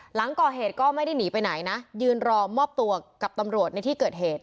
หลังก่อเหตุก็ไม่ได้หนีไปไหนนะยืนรอมอบตัวกับตำรวจในที่เกิดเหตุ